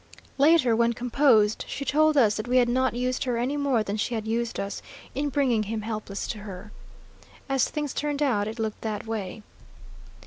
Later, when composed, she told us that we had not used her any more than she had used us, in bringing him helpless to her. As things turned out it looked that way.